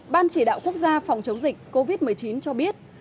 ban chỉ đạo quốc gia phòng chống dịch covid một mươi chín cho biết